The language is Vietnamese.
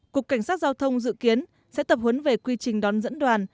cục cảnh sát giao thông dự kiến sẽ tập huấn về quy trình đón dẫn đoàn